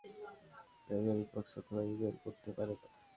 পাঠিয়ে দিন ছুটির দিনের ফেসবুক পেজের ইনবক্সে অথবা ই-মেইল করতে পারেন।